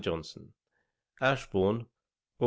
Johnson.' 'Ashbourne, Aug.